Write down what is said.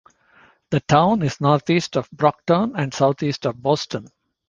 The town is northeast of Brockton and southeast of Boston.